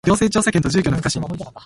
行政調査権と住居の不可侵